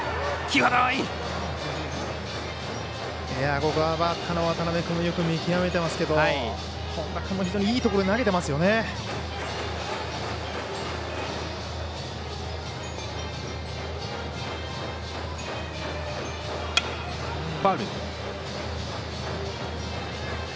ここはバッターの渡邊くんも見極めてますけど本田君も非常にいいところに投げてますね。